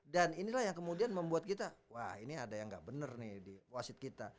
inilah yang kemudian membuat kita wah ini ada yang nggak bener nih di wasit kita